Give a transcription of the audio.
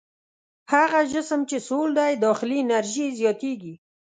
هغه جسم چې سوړ دی داخلي انرژي یې زیاتیږي.